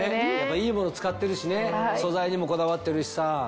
いいもの使ってるしね素材にもこだわってるしさ。